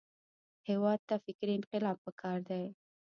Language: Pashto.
هېواد ته فکري انقلاب پکار دی